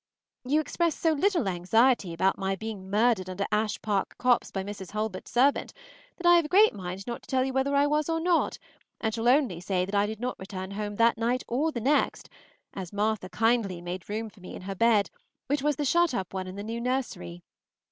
You express so little anxiety about my being murdered under Ash Park Copse by Mrs. Hulbert's servant, that I have a great mind not to tell you whether I was or not, and shall only say that I did not return home that night or the next, as Martha kindly made room for me in her bed, which was the shut up one in the new nursery.